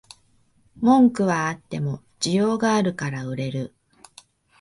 文句はあっても需要があるから売れる